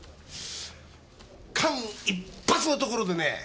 間一髪のところでね